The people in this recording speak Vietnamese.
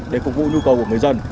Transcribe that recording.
để phục vụ nhu cầu của người dân